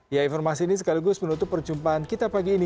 ya informasi ini sekaligus menutup perjumpaan kita pagi ini